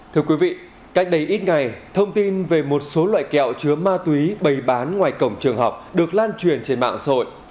thưa quý vị cách đây ít ngày thông tin về một số loại kẹo chứa ma túy bày bán ngoài cổng trường học được lan truyền trên mạng xã hội